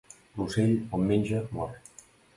L'ocell, on menja, mor.